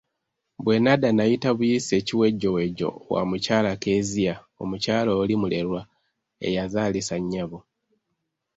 Bwe nnadda nayita buyisi ekiwejjowejjo wa mukyala Kezia omukyala oli mulerwa eyazaalisa nnyabo.